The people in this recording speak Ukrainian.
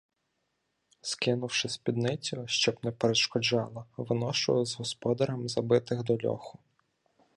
Скинувши спідницю, щоб не перешкоджала, виношу з господарем забитих до льоху.